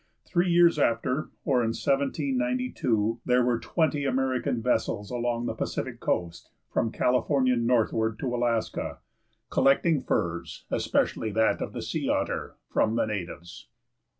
Three years after, or in 1792, there were twenty American vessels along the Pacific Coast, from California northward to Alaska, collecting furs, especially that of the sea otter, from the natives.